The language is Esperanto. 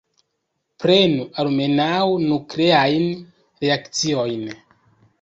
Prenu almenaŭ nukleajn reakciojn.